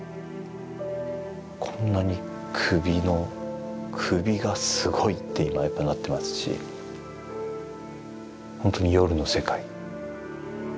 こんなに首の首がすごいって今やっぱなってますしほんとに夜の世界。